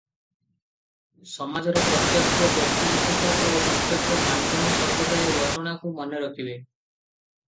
ସମାଜର ପ୍ରତ୍ୟେକ ବ୍ୟକ୍ତିବିଶେଷ ଓ ପ୍ରତ୍ୟେକ ମାଧ୍ୟମ ସର୍ବଦା ଏ ଘୋଷଣାକୁ ମନେରଖିବେ ।